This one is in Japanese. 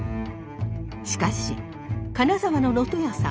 しかし金沢の能登屋さん。